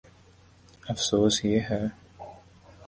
افسوس، یہ ہے۔